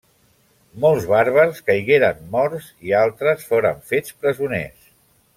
Molts bàrbars caigueren morts i altres foren fets presoners.